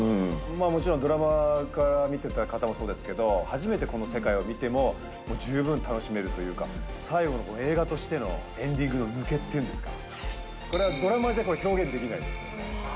もちろんドラマから見てた方もそうですけど、初めてこの世界を見ても、もう十分楽しめるというか、最後の映画としてのエンディングの抜けっていうんですか、これはドラマじゃ表現できないです。